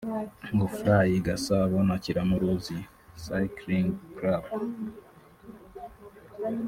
Fly y’i Gasabo na Kiramuruzi Cycling Club